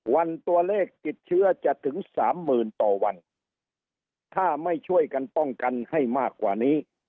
วันตัวเลขกิดเชื้อจะถึง๓๐๐๐๐ต่อวัน